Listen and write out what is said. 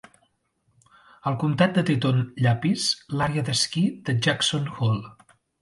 El Comtat de Teton llapis l'àrea d'esquí de Jackson Hole.